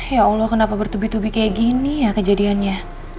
ya allah kenapa bertubi tubi kayak gini ya kejadiannya